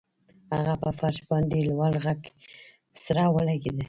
هغه په فرش باندې د لوړ غږ سره ولګیده